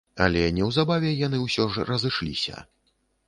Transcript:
Але неўзабаве яны ўсё ж разышліся.